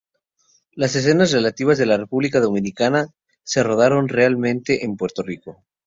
Las escenas relativas a la República Dominicana se rodaron realmente en Puerto Rico.